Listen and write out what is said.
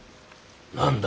何だ？